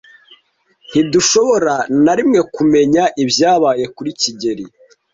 Ntidushobora na rimwe kumenya ibyabaye kuri kigeli.